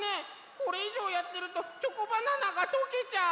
これいじょうやってるとチョコバナナがとけちゃう！